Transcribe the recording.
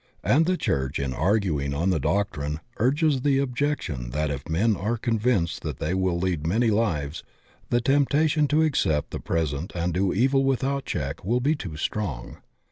And the church in arguing on the doctrine urges the objec tion that if men are convinced that they will lead many lives, the temptation to accept the present and do evil without check will be too strong.